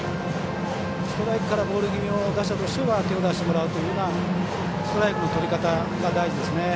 ストライクからボール打者としては手を出してもらうというようなストライクのとり方が大事ですね。